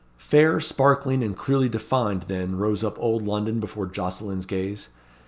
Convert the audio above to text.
Fair, sparkling, and clearly defined, then, rose up Old London before Jocelyn's gaze.